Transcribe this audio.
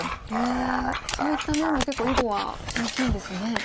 そういった面も結構囲碁は大きいんですね。